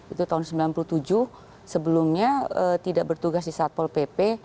itu tahun sembilan puluh tujuh sebelumnya tidak bertugas di satpol pp